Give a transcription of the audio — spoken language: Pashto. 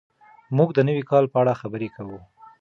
موږ د نوي کال په اړه خبرې کوو.